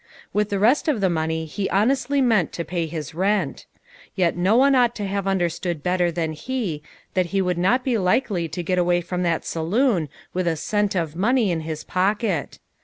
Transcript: With the rest of the money he honestly meant to pay his rent. Yet no one ought to have understood better than he that he would not be likely to get away from that saloon with a cent of money in his pocket.